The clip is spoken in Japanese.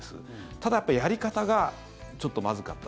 ただ、やり方がちょっとまずかった。